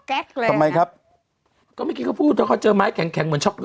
ทำไมครับก็เมื่อกี้เขาพูดถ้าเขาเจอไม้แข็งแข็งเหมือนช็อก